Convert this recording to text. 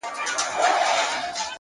تا بدرنگۍ ته سرټيټی په لېونتوب وکړ،